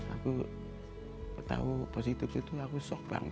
aku tahu positif itu aku sok bang